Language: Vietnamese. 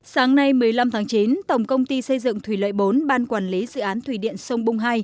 sáng nay một mươi năm tháng chín tổng công ty xây dựng thủy lợi bốn ban quản lý dự án thủy điện sông bung hai